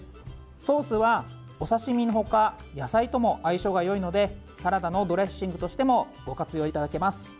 ソースはお刺身の他野菜とも相性がよいのでサラダのドレッシングとしてもご活用いただけます。